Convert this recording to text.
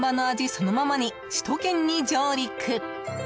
そのままに首都圏に上陸！